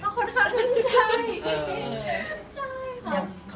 ค่อนข้างมั่นใจ